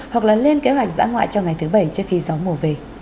hoặc là lên kế hoạch giã ngoại cho ngày thứ bảy trước khi gió mùa về